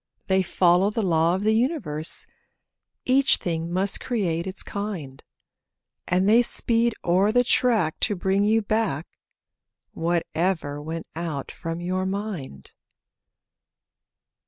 They follow the law of the universe— Each thing must create its kind; And they speed o'er the track to bring you back Whatever went out from your mind.